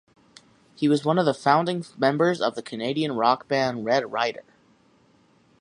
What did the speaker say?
He was one of the founding members of the Canadian rock band Red Rider.